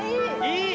いい！